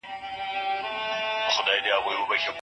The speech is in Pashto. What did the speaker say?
د اوبو پر ځای متیازې کول یو لوی ظلم و.